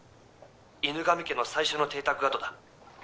犬神家の最初の邸宅跡だ。